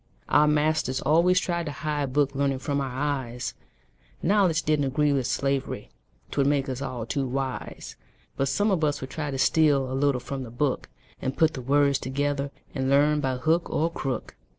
Our masters always tried to hide Book learning from our eyes; Knowledge didn't agree with slavery 'Twould make us all too wise. But some of us would try to steal A little from the book, And put the words together, And learn by hook or crook.